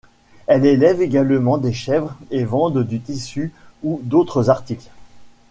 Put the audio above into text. Elles élèvent également des chèvres et vendent du tissu ou d'autres articles.